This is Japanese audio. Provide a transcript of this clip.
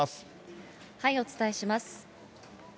お伝えします。